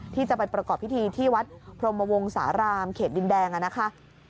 ที่จะเป็นประกอบพิธีวัฒน์พรมวงศารามเขตดินแดงนะคะ